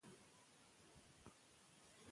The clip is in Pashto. نجونې به بریالۍ سوې وي.